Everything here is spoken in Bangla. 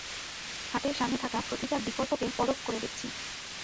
হাতের সামনে থাকা প্রতিটা বিকল্পকে পরখ করে দেখছি।